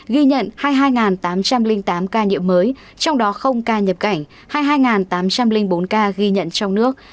ghi nhận hai tám trăm linh tám ca nhiễm mới trong đó ca nhập cảnh hai tám trăm linh bốn ca ghi nhận trong nước